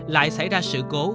lại xảy ra sự cố